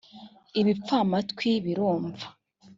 ibipfamatwi birumva